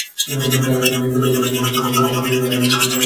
তখন নিরাপত্তা বাহিনীর সহায়তায় তিনি এবং আরও ছয়জন বাইরে বেরিয়ে আসেন।